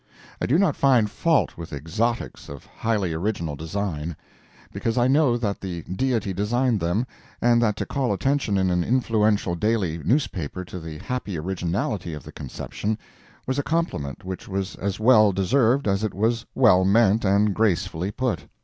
I do not find fault with "exotics, of highly original design;" because I know that the Deity designed them, and that to call attention in an influential daily newspaper to the happy originality of the conception, was a compliment which was as well deserved as it was well meant and gracefully put.